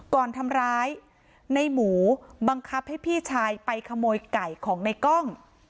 ก่อนทำร้ายในหมูบังคับให้พี่ชายไปขโมยไก่ของในกล้อง